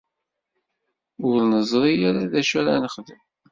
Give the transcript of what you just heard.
Ur neẓri ara d acu ara nexdem.